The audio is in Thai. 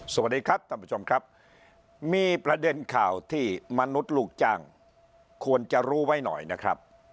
สวัสดีครับท่านผู้ชมครับมีประเด็นข่าวที่มนุษย์ลูกจ้างควรจะรู้ไว้หน่อยนะครับ